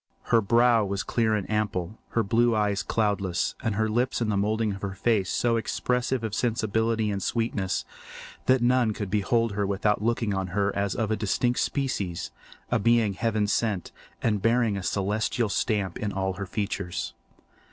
Her brow was clear and ample, her blue eyes cloudless, and her lips and the moulding of her face so expressive of sensibility and sweetness that none could behold her without looking on her as of a distinct species, a being heaven sent, and bearing a celestial stamp in all her features.